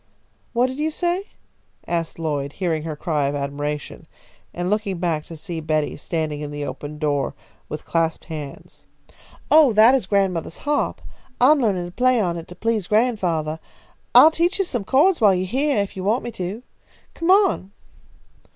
"What did you say?" asked Lloyd, hearing her cry of admiration, and looking back to see Betty standing in the open door with clasped hands. "Oh, that is grandmothah's harp. I am learning to play on it to please grandfathah. I'll teach you some chords while you are heah, if you want me to. Come on."